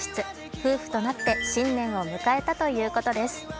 夫婦となって新年を迎えたということです。